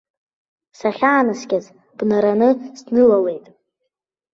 Сахьаанаскьаз бнараны снылалеит.